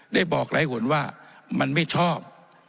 ได้บอกหลายคนว่ามันไม่ชอบ